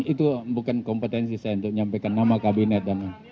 itu bukan kompetensi saya untuk menyampaikan nama kabinet dan